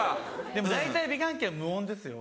でも大体美顔器は無音ですよ。